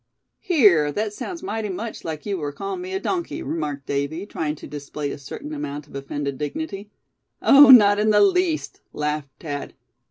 "Here, that sounds mighty much like you were calling me a donkey," remarked Davy, trying to display a certain amount of offended dignity. "Oh! not in the least," laughed Thad.